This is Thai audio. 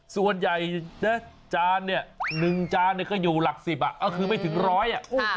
ส่วนใหญ่จานนี่หนึ่งจานก็อยู่หลักสิบคือไม่ถึงร้อย